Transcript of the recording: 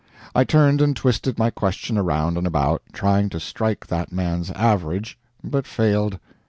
I turned and twisted my question around and about, trying to strike that man's average, but failed.